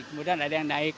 kemudian ada yang naik